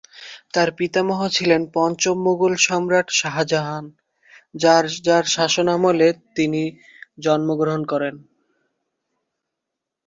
তার পিতামহ ছিলেন পঞ্চম মুগল সম্রাট শাহজাহান, যার যার শাসনামলে তিনি জন্মগ্রহণ করেন।